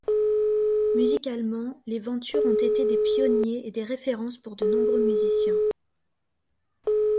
Musicalement, les Ventures ont été des pionniers et des références pour de nombreux musiciens.